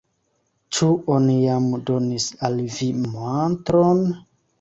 Ĉu oni jam donis al vi mantron?